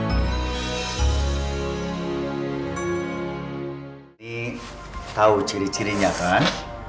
ini tahu ciri cirinya kan